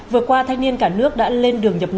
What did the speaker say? vừa qua thanh niên cả nước đã lên đường nhập ngũ